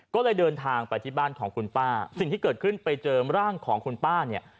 ก็เลยเดินทางไปที่บ้านของคุณป้าสิ่งที่เกิดขึ้นไปเจอร่างของคุณป้าเนี่ย